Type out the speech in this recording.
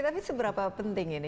tapi seberapa penting ini